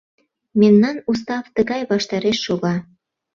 — Мемнан устав тыгай ваштареш шога.